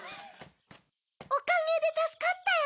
・おかげでたすかったよ